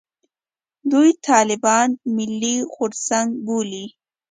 دوی طالبان «ملي غورځنګ» بولي.